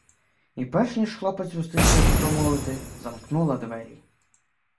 І перш ніж хлопець устиг щось промовити, замкнула двері.